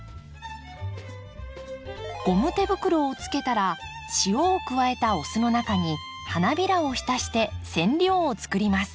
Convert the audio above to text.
ゴム手袋をつけたら塩を加えたお酢の中に花びらを浸して染料をつくります。